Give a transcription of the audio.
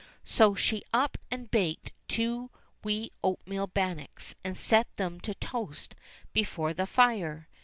So she up and baked two wee oatmeal bannocks and set them to toast before the fire.